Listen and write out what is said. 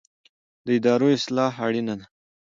د ادارو اصلاح اړینه ده